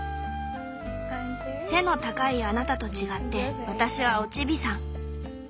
「背の高いあなたと違って私はおチビさん。